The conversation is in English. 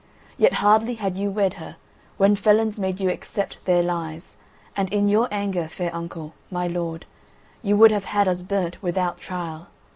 Yet hardly had you wed her when felons made you accept their lies, and in your anger, fair uncle, my lord, you would have had us burnt without trial.